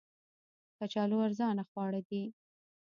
کچالو ارزانه خواړه دي